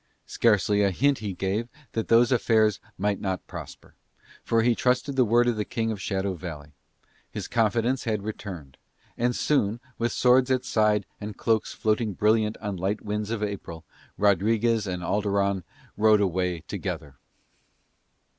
Scarcely a hint he gave that those affairs might not prosper, for he trusted the word of the King of Shadow Valley. His confidence had returned: and soon, with swords at side and cloaks floating brilliant on light winds of April, Rodriguez and Alderon rode away together.